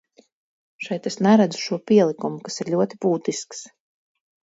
Šeit es neredzu šo pielikumu, kas ir ļoti būtisks.